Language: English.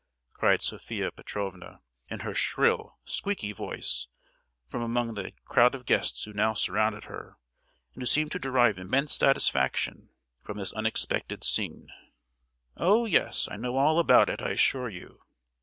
cried Sophia Petrovna, in her shrill squeaky voice, from among the crowd of guests who now surrounded her, and who seemed to derive immense satisfaction from this unexpected scene. "Oh, yes, I know all about it, I assure you!